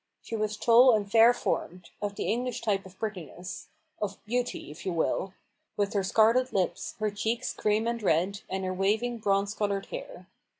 She was tall and fair formed ; of the English type of prettiness — of beauty, if you will !— with her scarlet lips, her cheeks cream and red, and her waving, bronze coloured hair.